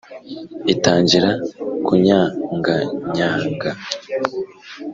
Itangira kunnyagannyaga